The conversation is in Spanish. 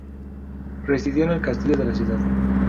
Residió en el castillo de la ciudad.